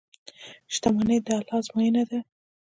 • شتمني د الله ازموینه ده.